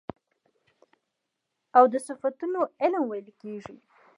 او د صفتونو علم ويل کېږي .